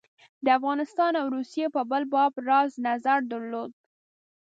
د افغانستان او روسیې په باب بل راز نظر درلود.